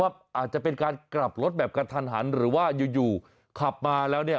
อาจจะเป็นการกลับรถแบบกระทันหันหรือว่าอยู่ขับมาแล้วเนี่ย